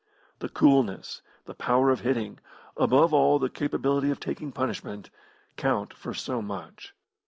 The coolness, the power of hitting, above all the capability of taking punishment, count for so much.